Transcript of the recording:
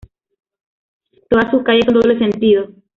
Todas sus calles son doble sentido.